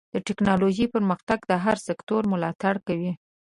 د ټکنالوجۍ پرمختګ د هر سکتور ملاتړ کوي.